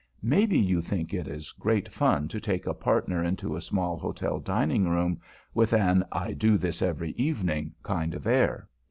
Maybe you think it is great fun to take a partner into the small hotel dining room with an "I do this every evening" kind of air.